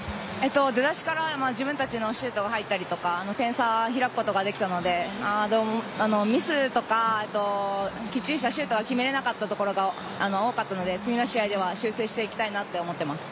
出だしから自分たちのシュートが入ったりとか点差開くことができたのでミスとかきっちりしたシュートは決められなかったところが多かったので次の試合では修正していきたいなと思っています。